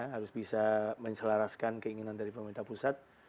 harus bisa mencelaraskan keinginan dari pemerintah pusat